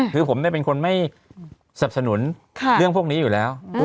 คือผมเป็นคนไม่สับสนุนเรื่องพวกนี้อยู่แล้ว